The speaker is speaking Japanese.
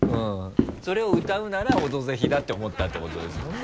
それを歌うなら「オドぜひ」だって思ったってことですもんね？